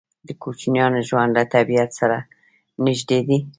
د کوچیانو ژوند له طبیعت سره نږدې دی.